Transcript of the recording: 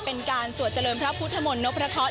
เป็นการสวจริงพระพุทธมนต์นพระเคาะ